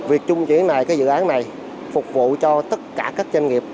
việc chung chuyển này dự án này phục vụ cho tất cả các doanh nghiệp